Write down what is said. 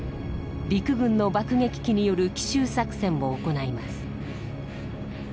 陸軍の爆撃機による奇襲作戦を行います。